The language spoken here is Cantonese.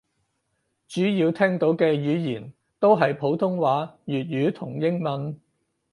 主要聽到嘅語言都係普通話粵語同英文